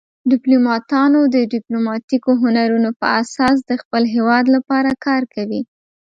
ډیپلوماتان د ډیپلوماتیکو هنرونو په اساس د خپل هیواد لپاره کار کوي